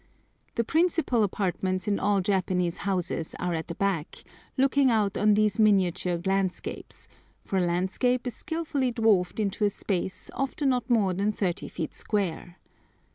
The principal apartments in all Japanese houses are at the back, looking out on these miniature landscapes, for a landscape is skilfully dwarfed into a space often not more than 30 feet square.